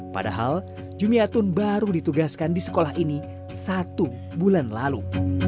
padahal jumiatun baru ditugaskan di sekolah ini satu bulan lalu